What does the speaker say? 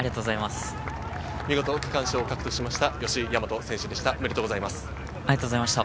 見事、区間賞を獲得した吉居大和選手でした。